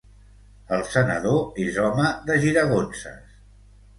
El senador és home de giragonses.